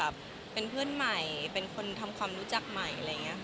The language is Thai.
เป็นเพื่อนใหม่เป็นคนทำความรู้จักใหม่